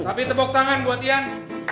tapi tepuk tangan buat ian